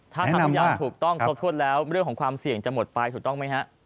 ถ้าทำทุกอย่างถูกต้องครบถ้วนแล้วเรื่องของความเสี่ยงจะหมดไปถูกต้องไหมฮะ